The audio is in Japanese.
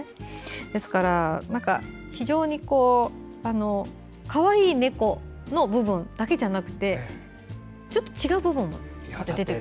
ですから非常にかわいい猫の部分だけじゃなくてちょっと違う部分も出てくる。